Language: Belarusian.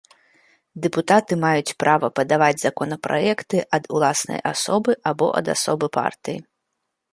Дэпутаты маюць права падаваць законапраекты ад уласнай асобы або ад асобы партыі.